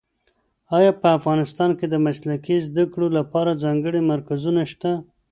ایا په افغانستان کې د مسلکي زده کړو لپاره ځانګړي مرکزونه شته؟